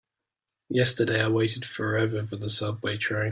Yesterday I waited forever for the subway train.